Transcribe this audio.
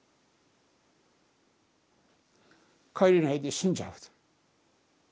帰れないで死んじゃうんです。